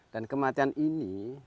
dan kematian ini